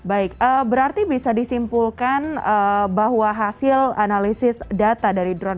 baik berarti bisa disimpulkan bahwa hasil analisis data dari drone